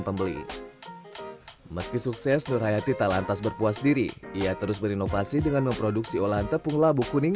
pembeli meski sukses nur hayati tak lantas berpuas diri ia terus berinovasi dengan memproduksi olahan tepung labu kuning